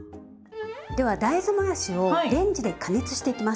では大豆もやしをレンジで加熱していきます。